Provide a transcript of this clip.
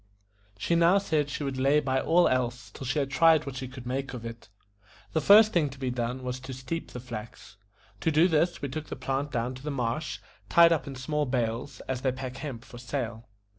She now said she would lay by all else till she had tried what she could make of it. The first thing to be done was to steep the flax. To do this we took the plant down to the marsh, tied up in small bales, as they pack hemp for sale.